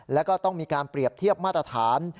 แล้วก็ต้องมีการเปรียบเทียบมาตรฐาน